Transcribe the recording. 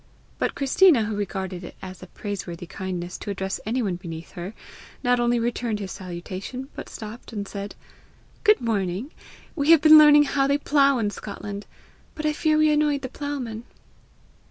But Christina, who regarded it as a praiseworthy kindness to address any one beneath her, not only returned his salutation, but stopped, and said, "Good morning! We have been learning how they plough in Scotland, but I fear we annoyed the ploughman."